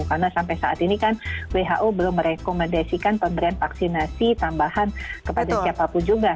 karena sampai saat ini kan who belum merekomendasikan pemberian vaksinasi tambahan kepada siapapun juga